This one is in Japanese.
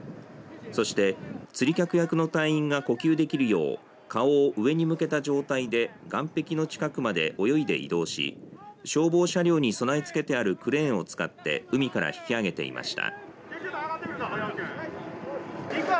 そして釣り客役の隊員が呼吸できるよう顔を上に向けた状態で岸壁の近くまで泳いで移動し消防車両に備え付けてあるクレーンを使って海から引き上げていました。